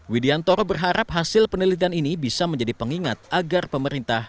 widiantoro berharap hasil penelitian ini bisa menjadi pengingat agar pemerintah